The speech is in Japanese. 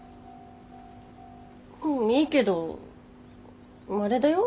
うんいいけどあれだよ。